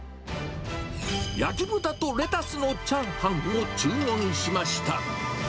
焼豚とレタスのチャーハンを注文しました。